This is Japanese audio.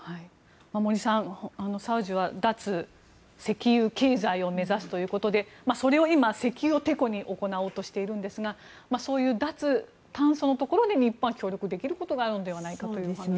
森さん、サウジは脱石油経済を目指すということでそれを、石油をてこに行おうとしているんですがそういう脱炭素のところで日本は協力できることがあるのではというお話です。